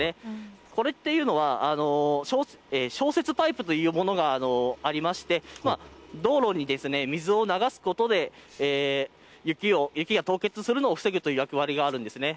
これというのは消雪パイプというものがありまして道路に水を流すことで雪が凍結するのを防ぐという役割があるんです。